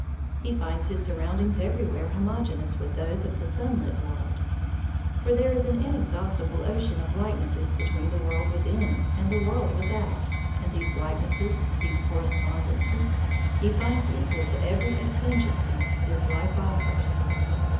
He finds his surroundings everywhere homogeneous with those of the sunlit world; for there is an inexhaustible ocean of likenesses between the world within, and the world without, and these likenesses, these correspondences, he finds equal to every exigency his life offers.